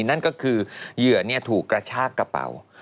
นั่นก็คือเหยื่อถูกกระชากระเป๋า